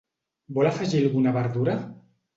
Vol afegir alguna verdura?